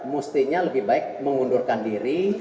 mestinya lebih baik mengundurkan diri